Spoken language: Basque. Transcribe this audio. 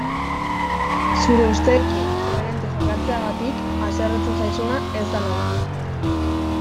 Zure usteekin koherente jokatzeagatik haserretzen zaizuna ez da laguna.